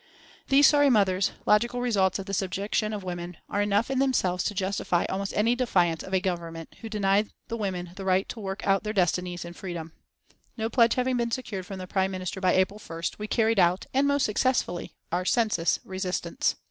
These sorry mothers, logical results of the subjection of women, are enough in themselves to justify almost any defiance of a Government who deny the women the right to work out their destinies in freedom. No pledge having been secured from the Prime Minister by April 1st, we carried out, and most successfully, our census resistance.